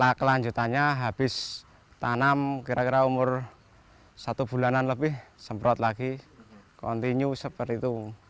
nah kelanjutannya habis tanam kira kira umur satu bulanan lebih semprot lagi continue seperti itu